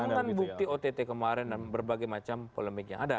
dengan bukti ott kemarin dan berbagai macam polemik yang ada